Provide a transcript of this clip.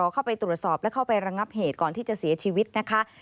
เข้าไปตรวจสอบและเข้าไประงับเหตุก่อนที่จะเสียชีวิตนะคะ